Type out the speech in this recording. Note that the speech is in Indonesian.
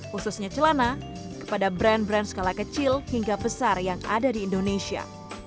khususnya celana kepada brand brand skala kecil hingga besar yang ada di indonesia